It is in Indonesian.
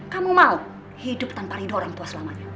kamu mau hidup tanpa ridho orang tua selamanya